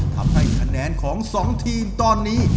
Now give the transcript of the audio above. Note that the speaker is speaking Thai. ทำให้คะแนนของ๒ทีมตอนนี้